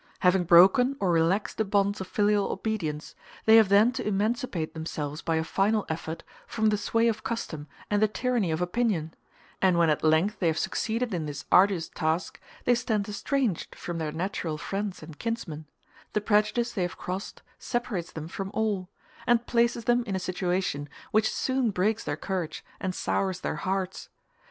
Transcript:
Having broken or relaxed the bonds of filial obedience, they have then to emancipate themselves by a final effort from the sway of custom and the tyranny of opinion; and when at length they have succeeded in this arduous task, they stand estranged from their natural friends and kinsmen: the prejudice they have crossed separates them from all, and places them in a situation which soon breaks their courage and sours their hearts.